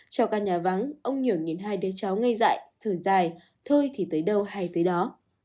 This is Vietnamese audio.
trong căn nhà vắng ông nhiều nhìn hai đứa cháu ngay dại thử dài thôi thì tới đâu hay tới đó